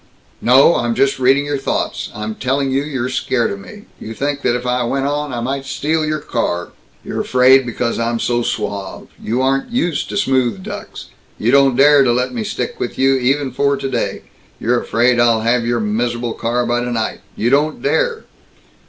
"No. I'm just reading your thoughts. I'm telling you you're scared of me! You think that if I went on, I might steal your car! You're afraid because I'm so suave. You aren't used to smooth ducks. You don't dare to let me stick with you, even for today! You're afraid I'd have your mis'able car by tonight! You don't dare!"